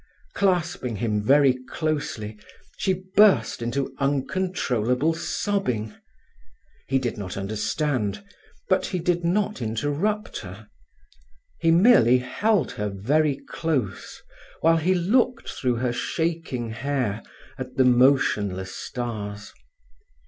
Clasping him very closely, she burst into uncontrollable sobbing. He did not understand, but he did not interrupt her. He merely held her very close, while he looked through her shaking hair at the motionless stars.